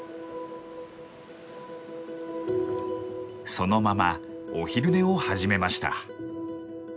そのままお昼寝を始めました。